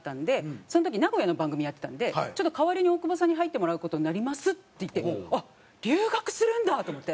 その時名古屋の番組やってたので「ちょっと代わりに大久保さんに入ってもらう事になります」って言ってあっ留学するんだ！と思って。